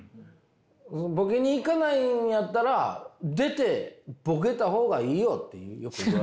ボケにいかないんやったら出てボケた方がいいよってよく言われる。